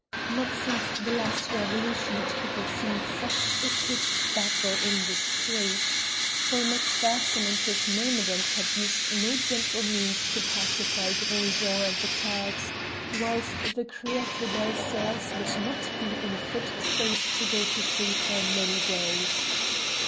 Not since the last revolution had people seen such a pitched battle in the streets, for Macpherson and his myrmidons had used no gentle means to pacify Gros Jean and the Turks, whilst the crew of the Belles Soeurs would not be in a fit state to go to sea for many days.